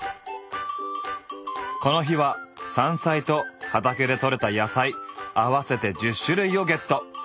この日は山菜と畑で採れた野菜合わせて１０種類をゲット！